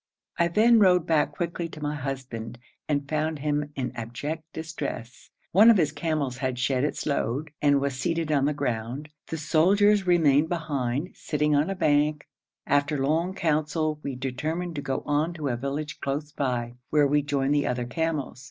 I then rode back quickly to my husband, and found him in abject distress; one of his camels had shed its load, and was seated on the ground. The soldiers remained behind, sitting on a bank. After a long council, we determined to go on to a village close by, where we joined the other camels.